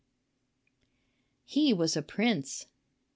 X. HE WAS A PRINCE.